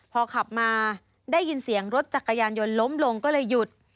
พอขับมาได้ยินเสียงรถจักรยานยนต์ล้มลงก็เลยหยุด